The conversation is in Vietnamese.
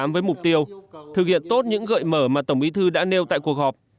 với mục tiêu thực hiện tốt những gợi mở mà tổng bí thư đã nêu tại cuộc họp